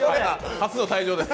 初の退場です。